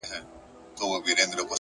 ه بيا دي په سرو سترگو کي زما ياري ده ـ